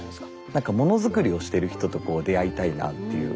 何かものづくりをしてる人とこう出会いたいなっていう。